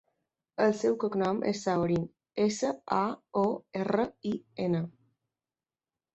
El seu cognom és Saorin: essa, a, o, erra, i, ena.